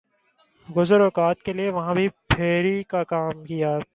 گزر اوقات کیلئے وہاں بھی پھیر ی کاکام کیا۔